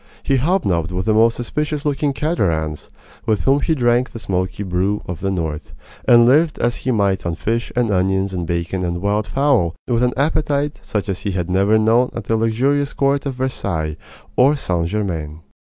He hobnobbed with the most suspicious looking caterans, with whom he drank the smoky brew of the North, and lived as he might on fish and onions and bacon and wild fowl, with an appetite such as he had never known at the luxurious court of Versailles or St. Germain.